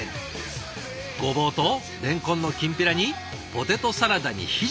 ごぼうとれんこんのきんぴらにポテトサラダにひじき。